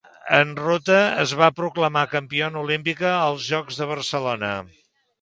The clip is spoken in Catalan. En ruta es va proclamar campiona olímpica als Jocs de Barcelona.